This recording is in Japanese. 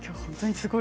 すごい！